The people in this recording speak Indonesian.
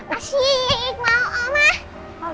masih mau omah